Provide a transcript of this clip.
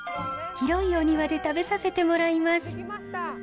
広いお庭で食べさせてもらいます。